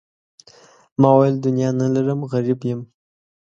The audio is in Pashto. ما وویل دنیا نه لرم غریب یم.